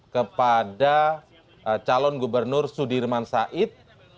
kepada calon gubernur sudirman said